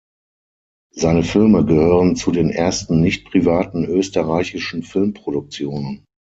Seine Filme gehören zu den ersten nicht privaten österreichischen Filmproduktionen.